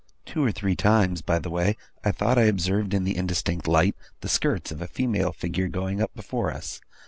Two or three times, by the way, I thought I observed in the indistinct light the skirts of a female figure going up before us.